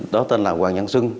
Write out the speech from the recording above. đó tên là hoàng nhân xuân